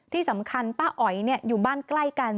ที่สำคัญป้าอ๋อยอยู่บ้านใกล้กัน